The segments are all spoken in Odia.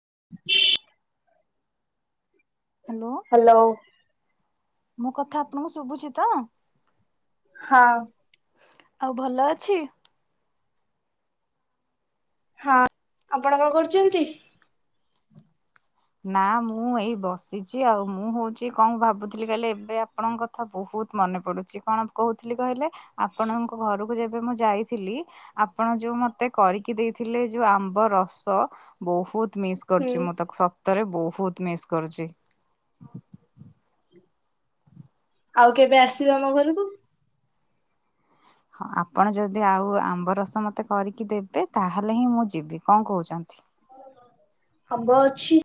[inaudible] ହ୍ୟାଲୋ ମୋ କଥା ଆପଣଙ୍କୁ ଶୁଭୁଛି ତ। ହଁ। ଆଉ ଭଲ ଅଛି। ହଁ ଆପଣ କଣ କରୁଛନ୍ତି? ନା ମୁଁ ଏଇ ବସିଛି ଆଉ ମୁଁ ହଉଛି କଣ ଭାବୁଥିଲି କହିଲେ ଏବେ ଆପଣଙ୍କ କଥା ବହୁତ ମନେ ପଡୁଛି କଣ କହୁଥିଲି କହିଲେ? ଆପଣଙ୍କ ଘରକୁ ଯେବେ ମୁଁ ଯାଇଥିଲି ଆପଣ ଯୋଉ ମତେ କରିକି ଦେଇଥିଲେ ଯୋଉ ଆମ୍ବ ରସ ବହୁତ ମିସ୍ ହୁଁ। କରଛି ମୁଁ ତାକୁ ରେ ବହୁତ ମିସ୍ କରୁଛି। ଆଉ କେବେ ଆସିବ ଆମ ଘରକୁ? ହଁ ଆପଣ ଯଦି ଆଉ ଆମ୍ବ ରସ ମତେ କରିକି ଦେବେ ତାହେଲେ ହିଁ ମୁଁ ଯିବି କଣ କହୁଛନ୍ତି? ଆମ୍ବ ଅଛି।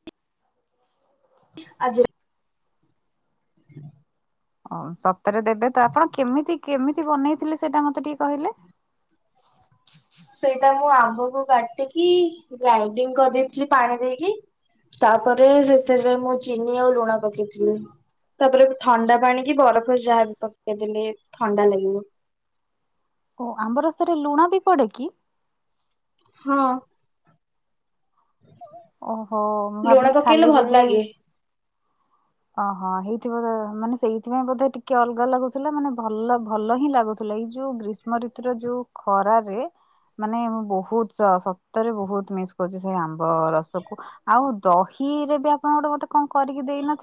ଆଜି ହୁଁ। ହଁ ସ ରେ ଦେବେ ତ ଆପଣ କେମିତି କେମିତି? ବନେଇଥିଲେ ସେଇଟା ମତେ ଟିକେ କହିଲେ? ସେଇଟା ମୁଁ ଆ ଆକୁ କାଟିକି ଗ୍ରାଇଣ୍ଡିଙ୍ଗ କରିଦେଇଥିଲି ପାଣି ଦେଇକି ତାପରେ ସେଥିରେ ମୁଁ ଚିନି ଆଉ ଲୁଣ ପକେଇଥିଲି ତାପରେ ଥଣ୍ଡା ପାଣିକି ବରଫ ଯାହା ବି ପକେଇ ଦେଲେ ଥଣ୍ଡା ଲାଗିବ। ଓ ଆମ୍ୱ ରସରେ ଲୁଣ ବି ପଡେ କି? ହଁ। ଓହୋ ମୁଁ ଲୁଣ ଭାବିଲି ପକେଇଲେ ଖାଲି ଭଲ ବୋଧେ ଲାଗେ ଓହୋ ହେଇଥିବ ମନେ ସେଥିପାଇଁ ବୋଧେ ମାନେ ଭଲ ଭଲ ହିଁ ଲାଗୁଥିଲା। ଏଇ ଯୋଉ ଗ୍ରୀଷ୍ମ ଋତୁ ର ଯୋଉ ଖରା ମାନେ ମୁଁ ବହୁତ ସତରେ ବହୁତ ମିସ୍ କରୁଛି ସେଇ ଆମ୍ବ ରସକୁ ଆଉ ଦହିରେ ବି ଆପଣ ଗୋଟେ ମତେ କଣ କରିକି ଦେଇନ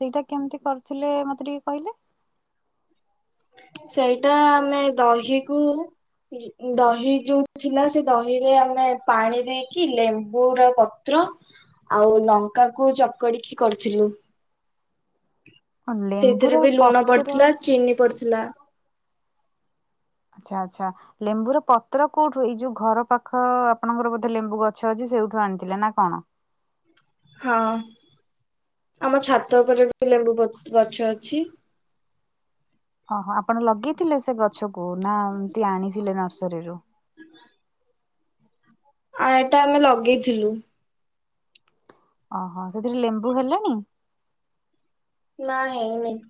ସେଇଟା କେମିତି କରିଥିଲେ ମତେ ଟିକେ କହିଲେ ସେଇଟା ଆମେ ଦହିକୁ ଦହି ଯୋଉ ଥିଲା ସେ ଦହିରେ ଆମେ ପାଣି ଦେଇକି ଲେମ୍ବୁରୁର ପତ୍ର ଆଉ ଲଙ୍କା କ ଚକଡିକି କରିଥିଲୁ ହଁ ଲେମ୍ବୁର ସେଇଥିରେ ବି ଲୁଣ ପତ୍ର ପଡିଥିଲା ଚିନି ପଡିଥିଲା ଆଚ୍ଛା ଆଛା ଲେମ୍ବୁ ର ପତ୍ର କୋଉଠୁ ଏଇ ଯୋଉ ଘର ପାଖ ଆପଣଙ୍କର ବୋଧେ ଲେମ୍ବୁ ଗଛ ଅଛି ସେଇଠୁ ଆଣିଥିଲେ ନା କଣ ହଁ ଆମ ଛାତ ଉପରେ ଯ ଲେମ୍ବୁ ଗଛ ଅଛି। ଓହୋ ଆପଣ ଲଗେଇଥିଲେ ସେ ଗଛକୁ ନା ଏମତି ଆଣିଥିଲେ ନର୍ସରୀରୁୁ ଆ ଏଟା ଆମେ ଲଗେଇଥିଲୁ ଓହୋ ସେଥିରେ ଲେମ୍ବୁ ହେଲାଣି ନା ହେ ଏଇ ନାଇ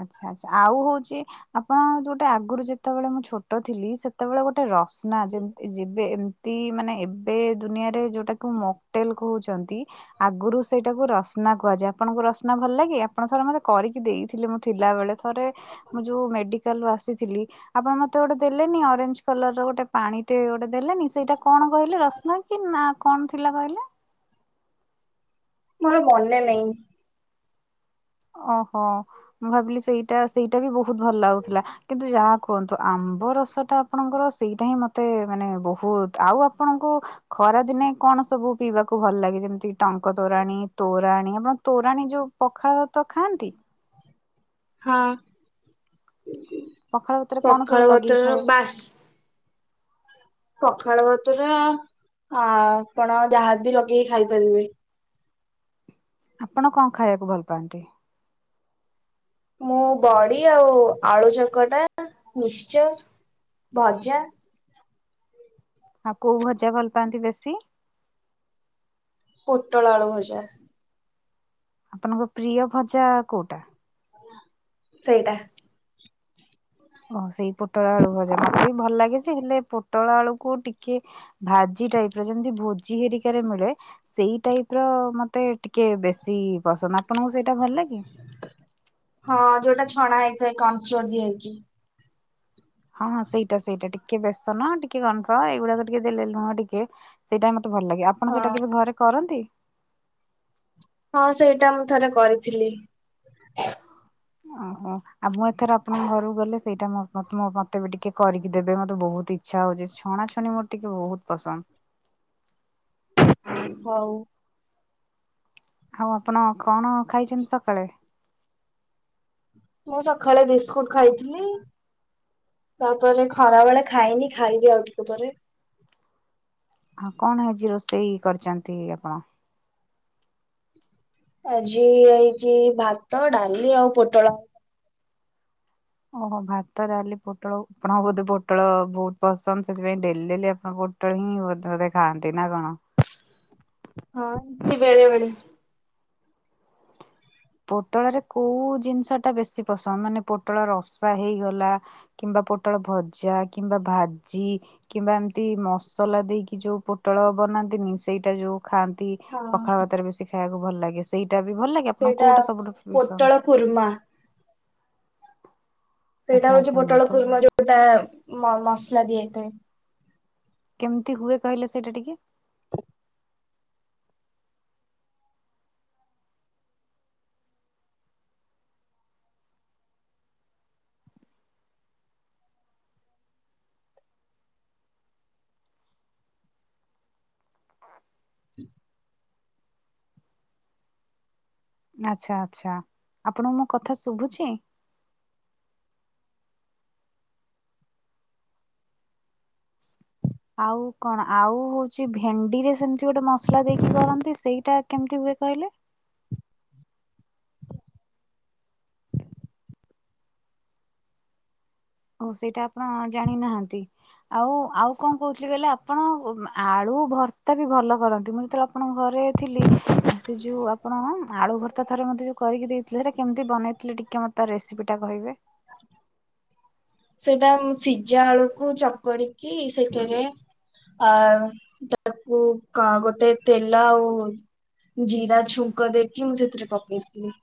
ଆଛା ଆଛା ଆଉ ହଉଛି ଆପଣ ଯୋଉଟେ ଆଗରୁ ଯେତେବେଳେ ମୁଁ ଛୋଟ ଥିଲି ସେତେବେଳେ ଗୋଟେ ରସନା ଯେମତି ଯେବେ ଏମତି ମାନେ ଏବେ ଦୁନିଆରେ ଯୋଉଟାକୁ ମଟେଲ କହୁଛନ୍ତି ଆଗରୁ ସେଇଟାକୁ ରସନା କୁହାଯାଏ। ଆପଣଙ୍କୁ ରସନା ଭଲ ଲାଗେ ଆପଣ ଥର ମତେ କରିକି ଦେଇ ଥିଲ ମୁଁ ଥିଲାବେଳେ ଯଉ ା ଆସିଥିଲି ଆପଣ ମତେ ଗୋଟେ ଦେଲେନି ଅରେଞ୍ଜ କଲର ର ଗୋଟେ ପାଣି ଟେ ଗୋଟେ ଦେଲେନି ସେଇଟା କଣ କହିଲେ ରଶନା କି ନା କଣ ଥିଲା କହିଲେ ମୋର ମନେ ନାଇଁ। ଓହୋ ମୁଁ ଭାବିଲି ସେଇଟା ସେଇଟା ବି ବହୁତ ଭଲ ଲାଗୁଥିଲା କିନ୍ତୁ ଯାହା କୁହନ୍ତୁ ଆମ୍ବ ରସଟା ଆପଣଙ୍କର ସେଇଟା ହିଁ ମତେ ମାନେ ବହୁତ ଆଉ ଆପଣଙ୍କୁ ଖରା ଦିନେ କଣ ସବୁ ପିଇବାକୁ ଭଲ ଲାଗେ ଯେମିତି ଟଙ୍କ ତୋରାଣୀ ତୋରାଣୀ ଆପଣ ତୋରାଣୀ ଯୋଉ ପଖାଳ ତ ଖାଆନ୍ତି ହଁ ପଖାଳ ଭାତରେ କଣ ସବୁ ପଖଳ ଲଗେଇକି ବତରର ଖାଏ ବାସ ସଖାଳ ଭତର ହଁ ଆପଣ ଯାହା ବି ଲଗେଇକି ଖାଇପାରିବେ ଆପଣ କଣ ଖାଇବାକୁ ଭଲ ପାଆନ୍ତି। ମୁଁ ବଡି ଆଉ ଆଳୁ ଚକଟା ନିଶ୍ଚ ଭଜା ଆଉ କୋଉ ଭଜା ଭଲ ପାଆନ୍ତି ବେଶୀ ପୋଟଳ ଆଳୁ ଭଜା ଆପଣଙ୍କ ପ୍ରିୟ ଭଜା କୋଉଟା ସେଇଟା ଓହ ସେଇ ପୋଟଳ ଆଳୁ ଭଜା ମତେ ବି ଭଲ ଲାଗେ ଯେ ହେଲେ ପୋଟଳ ଆଳୁକୁ ଟିକେ ଭାଜି ଟାଇପ ର ଯେମିତି ଭୋଜି ହେରିକାରେ ମିଳେ ସେଇ ଟାଇପ ର ମତେ ଟିକେ ବେଶୀ ପସନ୍ଦ ଆପଣଙ୍କୁ ସେଇଟା ଭଲ ଲାଗେ। ହଁ ଯୋଉଟା ଛଣା ହେଇଥାଏ କମସୋର ଦି ହେଇକି ହଁଁ ସେଇଟା ସେଇଟା ଟିକେ ବ୍ୟସ୍ତ ନ ଟିକେ ଗନ୍ଧ ଏଇଗୁଡାକ ଟିକେ ଦେଲେ ନୁହଁ ଟିକେ ସେଇଟାମ ତେ ଭଲ ଲାଗେ ଆପଣ ହଁ। ସେଇଟା କେବେ ଘରେ କରନ୍ତି। ହଁ ସେଇଟା ମୁଁ ଥରେ କରିଥିଲି। ଓହୋ ଆଉ ମୁଁ ଏଥର ଆପଣଙ୍କ ଘରକୁ ଗଲେ ସେଇଟା ମତେ ବି ଟିକେ କରିକି ଦେବେ ମତେ ବହୁତ ଇଚ୍ଛା ହଉଛି ଛୁଣା ଛୁଣି ମୋର ଟିକେ ବହୁତ ପସନ୍ଦ ହଉ ଆଉ ଆପଣ କଣ ଖାଇଛନ୍ତି ସକାଳେ ମୁଁ ସକାଳେ ବିସ୍କୁଟ ଖାଇଥିଲି ତାପରେ ଖରା ବେଳେ ଖାଇନି ଖାଇବି ଆଉ ଟିକେ ପରେ ଆଉ କଣ ହେଇଛି ରୋଷେଇ କରିଛନ୍ତି ଆପଣ ଆଜି ହେଇଛି ଭାତ ଡାଲି ଆଉ ପୋଟଳ ଓହୋ ଭାତ ଡାଲି ପୋଟଳ ଆପଣଙ୍କ ବୋଧେ ପୋଟଳ ବହୁତ ପସନ୍ଦ ସେଥିପାଇଁ ଡେଲି ଡେ ଆପଣ ପୋଟଳ ହିଁ ବଧ ବୋଧେ ଖାଆନ୍ତି ନା କଣ? ହଁ ଏଇି ବେଳେ ବେଳେ ପୋଟଳରେ କୋଉ ଜିନିଷ ଟା ବେଶୀ ପସନ୍ଦ ମାନେ ପୋଟଳ ରସା ହେଇଗଲା କିମ୍ବା ପୋଟଳ ଭଜା କିମ୍ବା ଭାଜି କିମ୍ବା ଏମିତି ମସଲା ଦେଇକି ଯୋଉ ପୋଟଳ ବନାନ୍ତିନି ସେଇଟା ଯୋଉ ଖାଆନ୍ତି ହଁ ପଖଳ ବାତରେ ବେଶୀ ଖାଇବାକୁ ଭଲ ଲାଗେ ସେଇଟା ବି ଭଲ ଲାଗେ ଆପଣଙ୍କୁ ସେଇଟା କୋଉଟା ସବୁଠୁ ପସନ୍ଦ? ପୋଟଳ ପୁର୍ମା ସେଇଟା ଆଚ୍ଛା ହଉଛି ଆଚ୍ଛା ମୁଁ ପୋଟଳ ତ କୁର୍ମ ଯୋଉଟା ମ ମସଲା ଦିଆଥା କେମତି ହୁଏ କହିଲେ ସେଇଟା ଟିକେ ଆଚଛା ଆଚଛା ଆପଣଙ୍କୁ ମୋ କଥା ଶୁଭୁଛି, ଆଉ କଣ ଆଉ ହଉଛି ଭେଣ୍ଡି ରେ ସେମିତି ଗୋଟେ ମସଲା ଦେଇକି କରନ୍ତି ସେଇଟା କେମିତି ହୁଏ କହିଲେ। ହ ସେଇଟା ଆପଣ ଜାଣିନାହାନ୍ତି ଆଉ ଆଉ କଣ କହୁଥିଲି କହିଲେ ଆପଣ ଆଳୁ ଭର୍ତ୍ତା ବି ଭଲ କରନ୍ତି ମୁଁ ଯେତେବେଳେ ଆପଣଙ୍କ ଘରେ ଥିଲି ସେ ଯୋଉ ଆପଣ ଆଳୁ ଭର୍ତ୍ତା ଥରେ ମତେ ଯୋଉ କରିକି ଦେଇଥିଲେ ସେଇଟା କେମିତି ବନେଇଥିଲେ ଟିକେ ମତେ ତ ରେସିପି ଟା କହିବେ। ସେଟା ସିଝା ବଳକୁ ଚକଡି କି ସେଠରେ ଆ ତାକୁ ଗୋଟେ ତେଲ ଆଉ ଜିରା ଛୁଙ୍କ ଦେଇକି ମୁଁ ସେଥିରେ ପକେଇଥିଲି।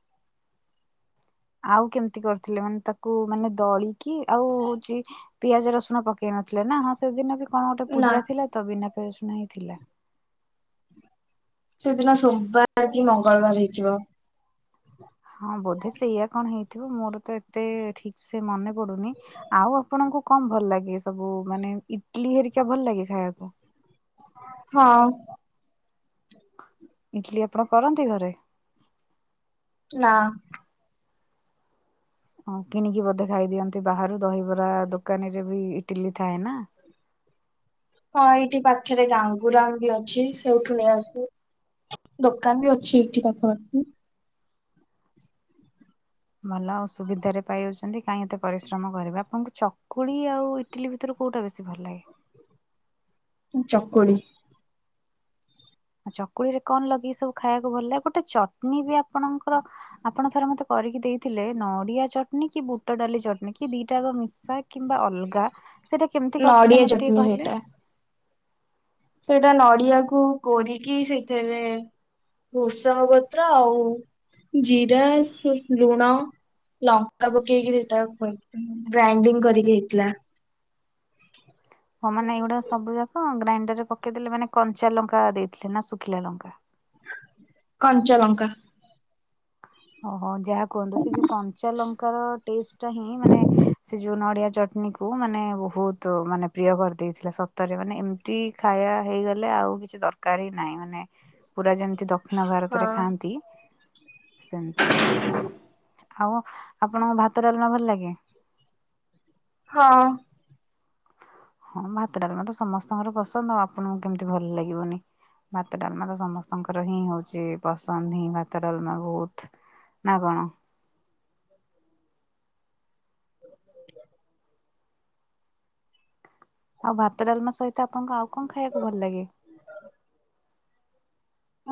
ଆଉ କେମିତି କରିଥିଲେ ମାନେ ତାକୁ ମାନେ ଦଳିକି ଆଉ ହଉଛି ପିଆଜ ରସୁଣ ପକେଇ ନଥିଲେ ନା ହଁ ସେଦିନ ବି କଣ ଗୋଟେ ନା ପୂଜା ତ ବି ପ୍ରନ ହେଇଥିଲା ସେଦିନ ସୋମବାର କି ମଙ୍ଗଳବାର ହେଇଥିବ। ହଁ ବୋଧେ ସେଇୟଆ କଣ ହେଇଛି, ିବ ମୋର ତ ଏତେ ଠିକ ସେ ମନେ ପଡୁନି ଆଉ ଆପଣଙ୍କୁ କଣ ଭଲ ଲାଗେ ସବୁ ମାନେ ଇଟଲି ହେରିକା ଭଲ ଲାଗେ ଖାଇବାକୁ। ହଁ [inaudible] ଇଡଲିି ଆପଣ କରନ୍ତି ଘରେ ନା [inaudible] ଓ କିଣିକି ବୋଧେ ଖାଇ ଦିଅନ୍ତି ବାହାରୁ ଦହିବରା ଦୋକାନୀରେ ବି ଇଟିଲି ଥାଏ ନା ହଁ ଏଇଠି ପାଖରେ ଗାଙ୍ଗୁରାମ ବି ଅଛି ସେଉଠୁ ନେଇ ଆସୁ ଦୋକାନ ବି ଅଛି ଏଇଠି ପାଖ ଭଲ ଆଉ ସୁବିଧାରେ ପାଇଯାଉଛନ୍ତି କାହିଁ ଏତେ ପରିଶ୍ରମ କରିବାେ ଆପଣଙ୍କୁ ଚକୁଳି ଆଉ ଇଟିଲି ଭିତରୁ କୋଉଟା ବେଶୀ ଭଲ ଲାଗେ ଚକ୍କଡ଼ିୀ ଆ ଚକୁଳି ରେ କଣ ଲଗେଇକି ସବୁ ଖାଇବାକୁ ଭଲ ଲାଗେ ଗୋଟେ ଚଟଣୀ ବି ଆପଣଙ୍କର ଆପଣ ଥରେ ମତେ କରିକି ଦେଇ। ଥିଲେ ନଡ଼ିଆ ଚଟ ଚଟନୀ କି ବୁଟ ଡାଲି ଚଟନୀ କି ଦିଟାକ ମିଶା କିମ୍ବା ଅଲଗା ସେଇଟା କେମିତି କରିଥିଲେ ନଡିଆ ମତେ ଟିକେ କହିଲେ। ସେଟା ନଡିଆକୁ କରୋିକି ସେଥିରେ ଭୋଷମ ପତ୍ର ଆଉ ଜିରା ଲୁଣ ଲଙ୍କା ପକେଇକି ସେଟା ଗ୍ରାଇଣ୍ଡିଙ୍ଗ କରିକି ହେଇଥିଲା ହଁ ମାନେ ଏଇଗୁଡା ସବୁ ଯାକ ଗ୍ରାଇଣ୍ଡ ପକେଇଦେଲେ ମାନେ କଞ୍ଚା ଲଙ୍କା ଦେଇଥିଲେ ନା ଶୁଖିଲା ଲଙ୍କା କଞ୍ଚଲଙ୍କା ଓହୋ ଯାହା କୁହନ୍ତୁ ସେ ଯୋଉ କଞ୍ଚା ଲଙ୍କାର ଟେଷ୍ଟ ଟା ହିଁ ମାନେ ସେ ଯୋଉ ନଡିଆ ଚଟନୀ କ ମାନେ ବହୁତ ମାନେ ପ୍ରିୟ କରିଦେଇଥିଲା ସତରେ ମାନେ ଏମତି ଖାଇବା ହେଇଗଲେ ଆଉ କିଛି ଦରକାର ହି ନାହିଁ ମାନେ ପୁରା ଯେମିତି ଦକ୍ଷିଣ ହଁ ଭାରତରେ ଖାଆନ୍ତି। ସେମତି ହ ଆଉ ଆପଣଙ୍କ ଭାତ ଡାଲନା ଭଲ ଲାଗେ ହଁ, ହଁ ଭାତ ଡାଲମା ତ ସମସ୍ତଙ୍କର ପସନ୍ଦ ଆଉ ଆପଣଙ୍କୁ କେମିତି ଭଲ ଲାଗିବନି ଭାତ ଡାଲମା ତ ସମସ୍ତଙ୍କର ହିଁ ହଉଛି ପସନ୍ଦ ହିଁ ଭାତ ଡାଲମା ବହୁତ ନା କଣ ଆଉ ଭାତ ଡାଲମା ସହିତ ଆପଣଙ୍କୁ ଆଉ କଣ ଖାଇବାକୁ ଭଲ ଲାଗେ।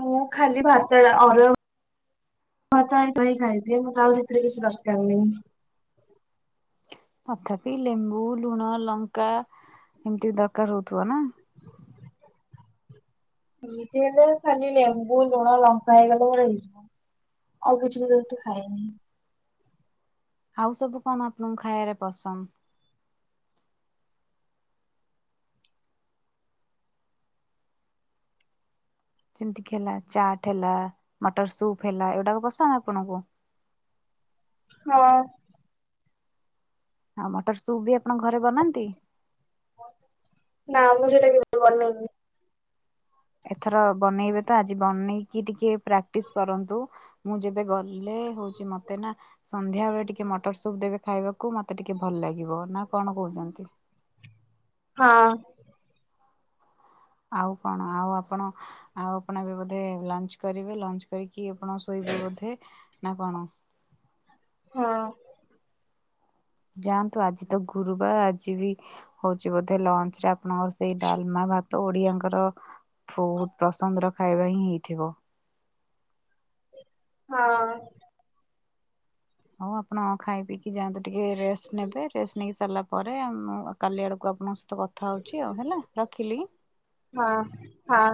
ମୁଁ ଖାଲି ଭାତ ଭାତିଁ ଖାଇଥାଏ ମୁଁ ତା ଆଉ ସେଥିରେ କିଛି ଦରକାର ନାହି। ତଥାପି ଲେମ୍ବୁ ଲୁଣ ଲଙ୍କା ଏମିତି ଦରକାର ହଉଥିବ ନା ସେଇଥି ହେଲେ ଖାଲି ଲେମ୍ବୁ ଲୁଣ ଲଙ୍କା ହେଇଗଲାର ହେଇଯିବ ଆଉ କିଛି ବିତେ ଖାନି ଆଉ ସବୁ କଣ ଆପଣଙ୍କୁ ଖାଇବାରେ ପସନ୍ଦ ଯେମିତି କି ହେଲା ଚାଟ ହେଲା ମଟର ସୁପ୍ ହେଲା ଏଗୁଡାକ ପସନ୍ଦ ଆପଣଙ୍କୁ ହଁ ଆଉ ମଟର ସୁପ୍ ବି ଆପଣଙ୍କ ଘରେ ବନାନ୍ତି। ନା ଆକୁ ସେଟା କି କନ ଏଥର ବନେଇବେ ତ ଆଜି ବନେଇକି ଟିକେ ପ୍ରାକ୍ଟିସ କରନ୍ତୁ ମୁଁ ଯେବେ ଗଲି ହେଲେ ହଉଛି ମତେ ନା ସନ୍ଧ୍ୟା ବେଳେ ଟିକେ ମଟର ସୁପ ଦେବେ ଖାଇବାକୁ ମତେ ଟିକେ ଭଲ ଲାଗିବ ନା କଣ କହୁଛନ୍ତି। ହଁ ଆଉ କଣ ଆଉ ଆପଣ ଆଉ ଆପଣ ଏବେ ବୋଧେ ଲଞ୍ଚ କରିବେ ଲଞ୍ଚ କରି କି ଆପଣ ଶୋଇବେ ବୋଧେ ନା କଣ ହଁ ଯାଆନ୍ତୁ ଆଜି ତ ଗୁରୁବାର ଆଜି ବି ହଉଛି ବୋଧେ ଲଞ୍ଚ ରେ ଆପଣ ସେଡମା ଭ ତ ଓଡିଆଙ୍କର ବହୁତ ପସନ୍ଦର ଖାଇବା ହିଁ ହେଇଥିବ ହଁ ହଉ ଆପଣ ଖାଇ ପି ଯାଆନ୍ତୁ ଟିକେ ରେଷ୍ଟ ନେବେ ରେଷ୍ଟ ନେଇକି ସାରିଲା ପରେ ମୁ କାଲି ଆଡକୁ ଆପଣ ତ କଥା ହଉଛି ଆଉ ହେଲା ରଖିଲି ହଁ ହଁ।